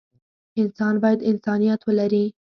انسان بايد انسانيت ولري.